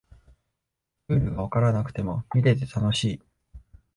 ルールがわからなくても見てて楽しい